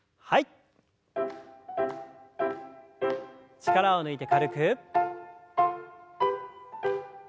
力を抜いて軽く。